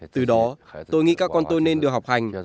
từ đó tôi nghĩ các con tôi nên đưa học hành